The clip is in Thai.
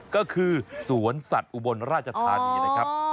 ก็คือสวนสัตว์อุบลราชธานีนะครับ